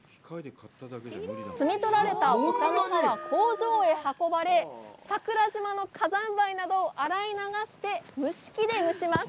摘み取られたお茶の葉は工場へ運ばれ、桜島の火山灰などを洗い流し蒸し器で蒸します。